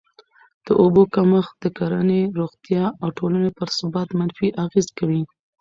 د اوبو کمښت د کرهڼې، روغتیا او ټولني پر ثبات منفي اغېز کوي.